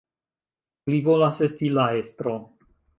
Li volas esti la estro.